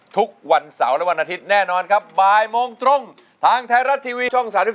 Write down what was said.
ทุกวันเสาร์และวันอาทิตย์แน่นอนครับบ่ายโมงตรงทางไทยรัฐทีวีช่อง๓๒